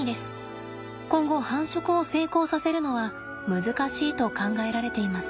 今後繁殖を成功させるのは難しいと考えられています。